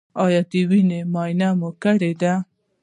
ایا د وینې معاینه مو کړې ده؟